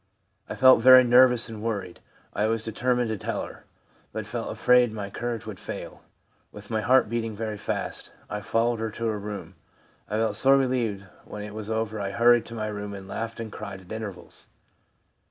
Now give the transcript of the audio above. I felt very nervous and worried ; I was determined to tell her, but felt afraid my courage would fail. With my heart beating very fast, I followed her to her room. I felt so relieved when it was over I hurried to my room and laughed and cried at intervals.